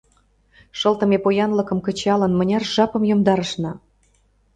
— Шылтыме поянлыкым кычалын, мыняр жапым йомдарышна.